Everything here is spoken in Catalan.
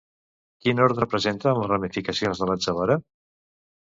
Quin ordre presenten les ramificacions de l'atzavara?